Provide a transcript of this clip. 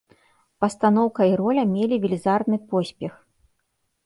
Пастаноўка і роля мелі велізарны поспех.